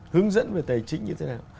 hướng dẫn về tài chính như thế nào